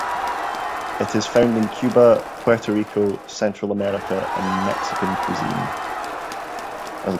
It is found in Cuba, Puerto Rico, Central America and Mexican cuisine.